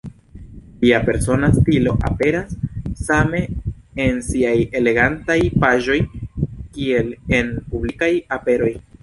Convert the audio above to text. Lia persona stilo aperas same en siaj elegantaj paĝoj kiel en publikaj aperoj.